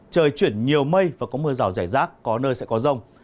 trời chuyển nhiều mây và có mưa rào rải rác có nơi sẽ có rông